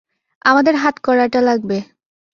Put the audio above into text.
আমাদের হাতকড়াটা লাগবে।